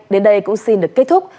đến đây cũng xin được kết thúc